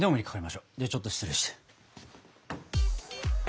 ではちょっと失礼して。